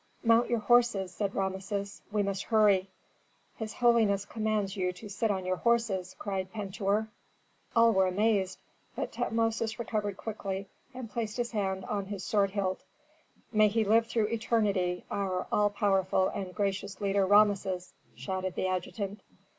"Mount your horses," said Rameses; "we must hurry." "His holiness commands you to sit on your horses," cried Pentuer. All were amazed. But Tutmosis recovered quickly, and placed his hand on his sword hilt. "May he live through eternity, our all powerful and gracious leader Rameses!" shouted the adjutant.